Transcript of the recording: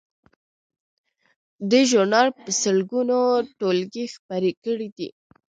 دې ژورنال په سلګونو ټولګې خپرې کړې دي.